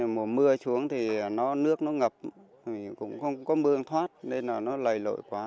mùa mưa xuống thì nước nó ngập cũng không có mưa thoát nên là nó lầy lội quá